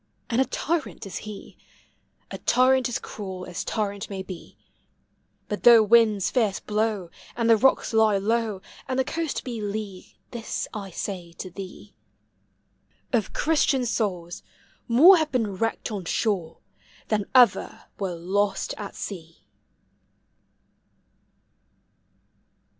And a tyrant is he, — A tyrant as cruel as tyrant may be ; But though winds fierce blow, And the rocks lie low, And the coast be lee, This I say to thee : Of Christian souls more have been wrecked on shore Than ever were lost at sea!